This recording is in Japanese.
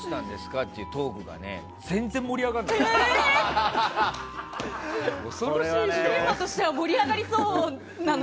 っていうトークが全然盛り上がらないの。